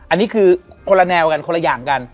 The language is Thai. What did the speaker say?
อันนี้คือคนละแนวกันคนละอย่างกัน